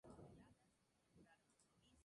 Bali era descendiente de esta segunda línea.